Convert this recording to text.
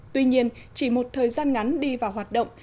tuy nhiên chỉ một thời gian ngắn đi vào hoạt động